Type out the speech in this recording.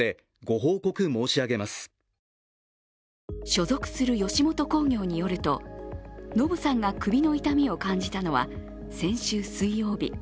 所属する吉本興業によるとノブさんが首の痛みを感じたのは先週水曜日。